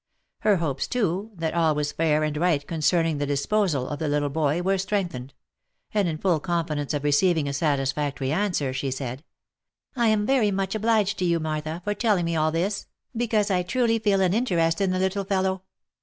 Her hopes, too, that all was fair and right concerning the disposal of the little boy, were strengthened ; and in full confidence of receiving a satisfactory answer, she said, " I am very much obliged to you, Martha, for telling me all this, because I truly feel an interest in the 172 THE LIFE AND ADVENTURES little fellow.